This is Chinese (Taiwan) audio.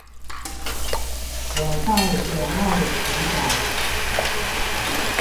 我帶著愛祈禱